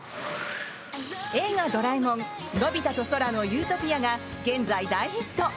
「映画ドラえもんのび太と空の理想郷」が現在、大ヒット！